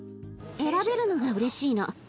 選べるのがうれしいの。